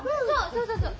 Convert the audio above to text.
そうそうそう。